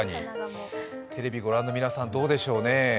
テレビをご覧の皆さん、どうでしょうね。